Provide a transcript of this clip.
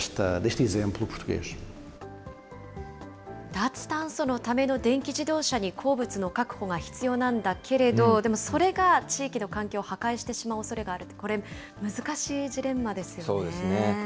脱炭素のための電気自動車に鉱物の確保が必要なんだけれど、でもそれが地域の環境を破壊してしまうおそれがあると、これ難しそうですね。